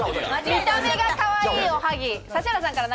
見た目がかわいいおはぎ。